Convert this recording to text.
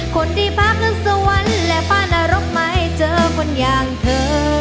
คนที่พาขึ้นสวรรค์และพรรณรกไม่เจอคนอย่างเธอ